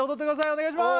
お願いします